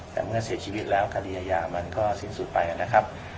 แต่เมื่อเสียชีวิตแล้วคดีอาญามันก็สิ้นสุดไปนะครับ